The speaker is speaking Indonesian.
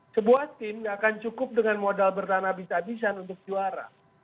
sebuah tim gak akan cukup dengan modal bertahan abis abisan untuk juara